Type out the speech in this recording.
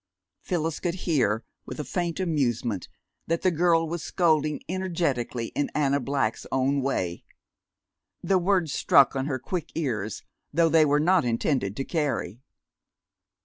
Phyllis could hear, with a faint amusement, that the girl was scolding energetically in Anna Black's own way. The words struck on her quick ears, though they were not intended to carry.